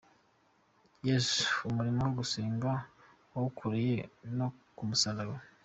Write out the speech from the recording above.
Yesu umurimo wo gusenga yawukoreye no ku musaraba.